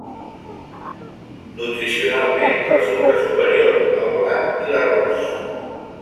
Nutricionalment resulta superior al blat i l'arròs.